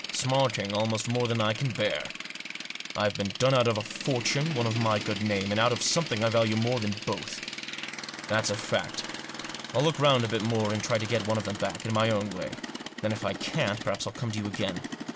Smarting almost more than I can bear. I've been done out of a fortune, out of my good name, and out of something I value more than both. That's a fact. I'll look round a bit more, and try to get one of them back, in my own way. Then, if I can't, perhaps I'll come to you again.